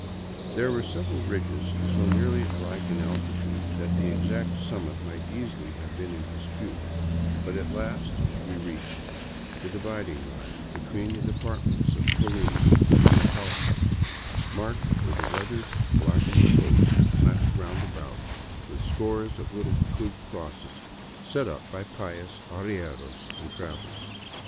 There were several ridges so nearly alike in altitude that the exact summit might easily have been in dispute; but at last we reached the 6i VAGABONDING DOWN THE ANDES dividing line between the departments of Tolima and the Cauca, marked with a weather blackened post planted roundabout with scores of little twig crosses set up by pious arrieros and travelers.